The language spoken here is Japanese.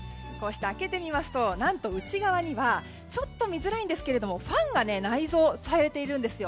開けてみますと何と内側にはちょっと見づらいんですがファンが内蔵されているんです。